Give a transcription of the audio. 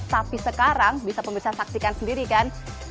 tapi sekarang bisa pemirsa saksikan sendiri kan